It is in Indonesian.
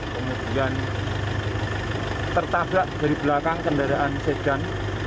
kemudian tertabrak dari belakang kendaraan sedan